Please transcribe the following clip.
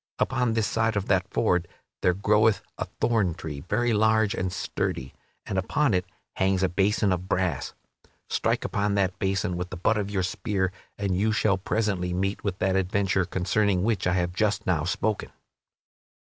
Upon this side of that ford there groweth a thorn tree, very large and sturdy, and upon it hangs a basin of brass. Strike upon that basin with the butt of your spear, and you shall presently meet with that adventure concerning which I have just now spoken."